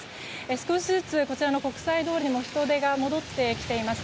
少しずつ国際通りにも人出が戻ってきています。